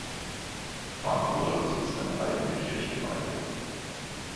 Farnroda besitzt eine eigene Kirchgemeinde.